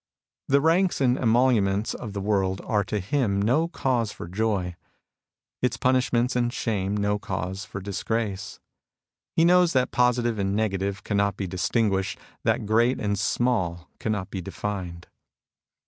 The ranks and emoluments of the world are to him no cause for joy ; its punishments and shame no cause for disgrace. He knows that positive and nega tive cannot be distinguished, that great and small cannot be defined.